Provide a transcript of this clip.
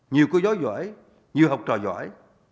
nhiều cư gió giỏi nhiều học trò giỏi